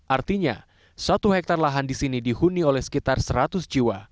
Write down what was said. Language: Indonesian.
artinya satu hektare lahan di sini dihuni oleh sekitar seratus jiwa